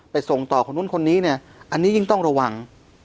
ส่งต่อคนนู้นคนนี้เนี่ยอันนี้ยิ่งต้องระวัง